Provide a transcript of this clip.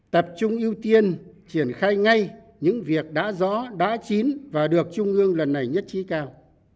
tập trung ưu tiên triển khai ngay những việc đã rõ đã chín và được trung ương lần này nhất trí cao